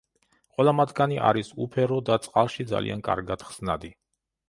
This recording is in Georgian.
ყველა მათგანი არის უფერო და წყალში ძალიან კარგად ხსნადი.